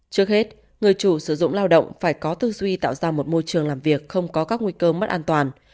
trước hết người chủ sử dụng lao động phải có tư duy tạo ra một môi trường làm việc không có các nguy cơ mất an toàn